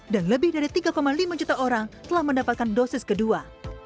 dan lebih dari tiga lima juta orang telah mendapatkan dosis kedua